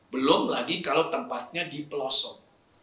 belum lagi kalau tempatnya di pelosok